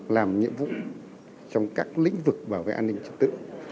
làm nhiệm vụ trong các lĩnh vực bảo vệ an ninh trật tự